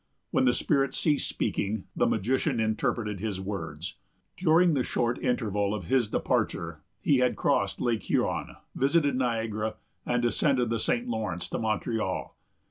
When the spirit ceased speaking, the magician interpreted his words. During the short interval of his departure, he had crossed Lake Huron, visited Niagara, and descended the St. Lawrence to Montreal.